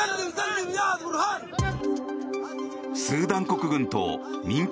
スーダン国軍と民兵